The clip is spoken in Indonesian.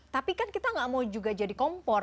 tapi kan kita nggak mau juga jadi kompor